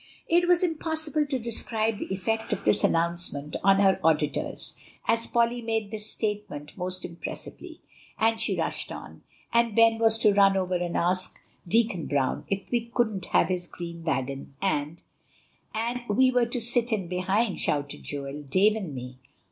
It was impossible to describe the effect of this announcement upon her auditors as Polly made this statement most impressively, and she rushed on, "and Ben was to run over and ask Deacon Brown if we couldn't have his green wagon, and" "And we were to sit in behind," shouted Joel "Dave and me.